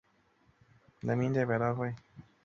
响应者四千余人。